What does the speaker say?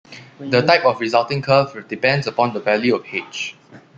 The type of resulting curve depends upon the value of "H".